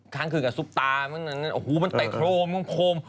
ครั้งคืนกับซุปตามันโอ้โหมันไต่โครมโครม